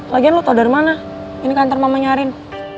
lagian lo tau dari mana ini kantor mamanya nyarin